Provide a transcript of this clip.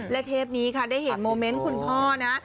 และเทปนี้ค่ะได้เห็นโมเมนต์คุณพ่อนะ